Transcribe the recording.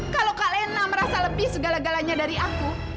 kalau kak lena merasa lebih segala galanya dari aku